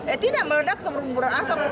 eh tidak meledak sebelum berasap